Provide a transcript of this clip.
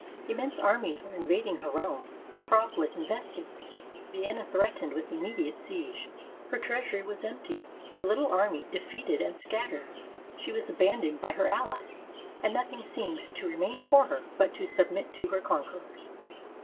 Immense armies were invading her realms. Prague was invested ; Vienna threatened with immediate siege; her treasury was empty; her little army defeated and scattered; she was abandoned by her allies, and nothing seemed to remain for her but to submit to her conquerors.